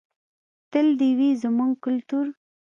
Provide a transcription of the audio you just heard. تل دې وي زموږ کلتور.